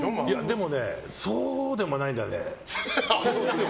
でも、そうでもないんだよね。